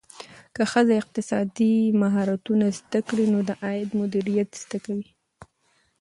که ښځه اقتصادي مهارتونه زده کړي، نو د عاید مدیریت زده کوي.